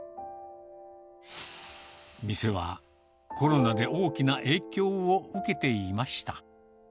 店はコロナで大きな影響を受けていました。